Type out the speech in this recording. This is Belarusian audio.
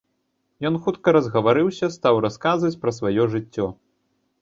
Ён хутка разгаварыўся, стаў расказваць пра сваё жыццё.